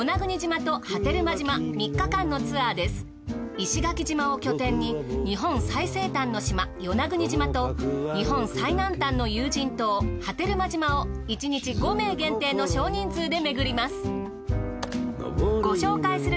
石垣島を拠点に日本最西端の島与那国島と日本最南端の有人島波照間島を１日５名限定の少人数でめぐります。